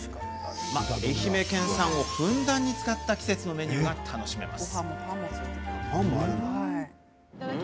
愛媛県産をふんだんに使った季節のメニューが楽しめます。